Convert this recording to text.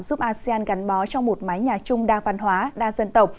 giúp asean gắn bó trong một mái nhà chung đa văn hóa đa dân tộc